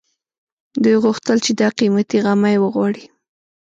دوی غوښتل چې دا قيمتي غمی وغواړي